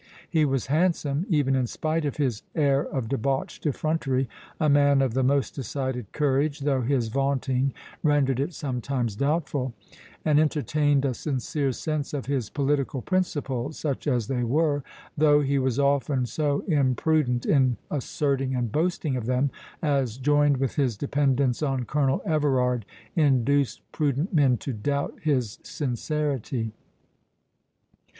He was handsome, even in spite of his air of debauched effrontery; a man of the most decided courage, though his vaunting rendered it sometimes doubtful; and entertained a sincere sense of his political principles, such as they were, though he was often so imprudent in asserting and boasting of them, as, joined with his dependence on Colonel Everard, induced prudent men to doubt his sincerity.